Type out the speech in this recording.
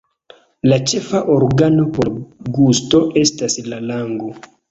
La ĉefa organo por gusto estas la lango.